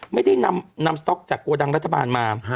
ไม่ได้นำสต๊อกจากโกดังรัฐบาลมา